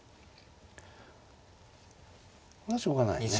これはしょうがないね。